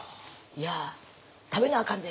いや食べなあかんで。